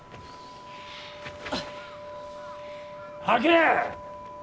吐け！